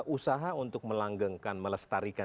usaha untuk melanggengkan melestarikan